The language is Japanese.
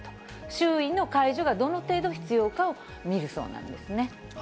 周囲の介助が、どの程度必要かを見るそうなんですね。